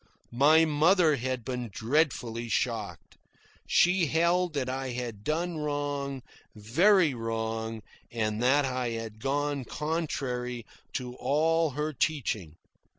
My mother had been dreadfully shocked. She held that I had done wrong, very wrong, and that I had gone contrary to all her teaching.